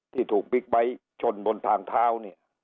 ที่ถูกบิ๊กไบท์ชนบนทางเท้าเนี่ย